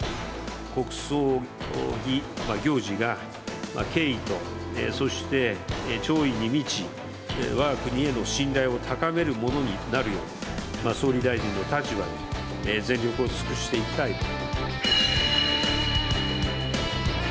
国葬儀行事が敬意とそして弔意に満ち、わが国への信頼を高めるものになるよう、総理大臣の立場で全力を尽くしていきたいと。